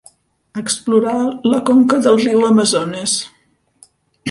Explorà la conca del riu Amazones.